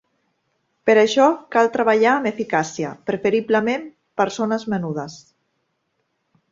Per això cal treballar amb eficàcia, preferiblement per zones menudes.